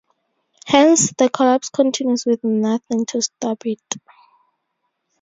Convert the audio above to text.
Hence, the collapse continues with nothing to stop it.